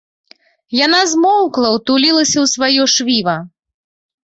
Яна змоўкла, утулілася ў сваё швіва.